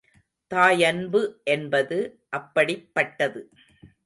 தாயன்பு என்பது அப்படிப்பட்டது.